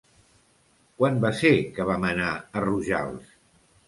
Quan va ser que vam anar a Rojals?